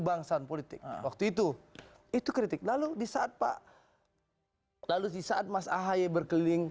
bangsaan politik waktu itu itu kritik lalu di saat pak lalu di saat mas ahaye berkeliling